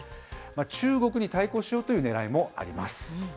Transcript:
中国に対抗しようというねらいもあります。